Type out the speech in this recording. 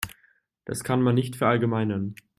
Das kann man nicht verallgemeinern.